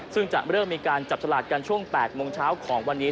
ซึ่งจะเริ่มมีการจับฉลากกันช่วง๘โมงเช้าของวันนี้